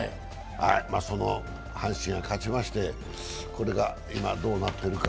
その阪神が勝ちまして今、これがどうなってるか。